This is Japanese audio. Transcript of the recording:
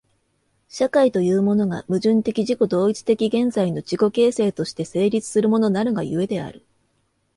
社会というものが、矛盾的自己同一的現在の自己形成として成立するものなるが故である。